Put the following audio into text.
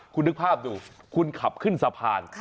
คุณนึกภาพดูคุณขับขึ้นสะพาน